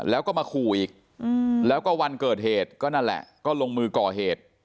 แล้วก็มาขู่อีกแล้วก็วันเกิดเหตุก็นั่นแหละก็ลงมือก่อเหตุ